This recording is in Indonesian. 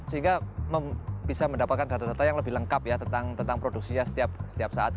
sehingga bisa mendapatkan data data yang lebih lengkap ya tentang produksinya setiap saat